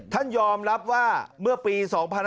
ท่านยอมรับว่าเมื่อปี๒๕๕๙